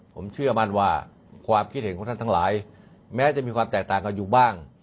ผมเชื่อมั่นว่าความคิดเห็นของท่านทั้งหลายแม้จะมีความแตกต่างกันอยู่บ้าง